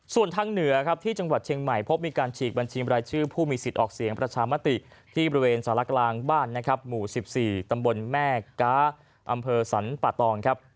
ส่วนทางเหนือครับที่จังหวัดเชียงใหม่พบมีการฉีกบัญชีรายชื่อผู้มีสิทธิ์ออกเสียงประชามติที่บริเวณสารกลางบ้านนะครับหมู่๑๔ตำบลแม่ก๊าอำเภอสรรปะตองครับ